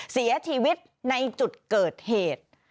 เสียชีวิตในจุดเกิดเหตุ